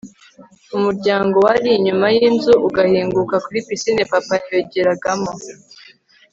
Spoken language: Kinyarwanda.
mu muryango wari inyuma yinzu ugahinguka kuri pisine papa yogeragamo